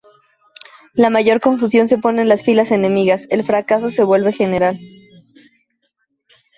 La mayor confusión se pone en las filas enemigas, el fracaso se vuelve general.